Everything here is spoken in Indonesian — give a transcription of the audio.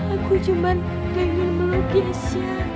aku cuma ingin melukis ya